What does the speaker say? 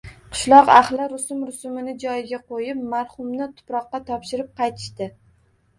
Qishloq ahli rusm-rusumini joyiga qo`yib, marhumni tuproqqa topshirib qaytishdi